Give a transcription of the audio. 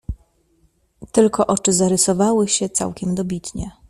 "Tylko oczy zarysowywały się całkiem dobitnie."